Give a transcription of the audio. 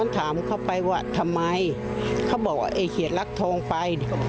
ทำไมเขาบอกว่าไอ้เขียดรักทองไป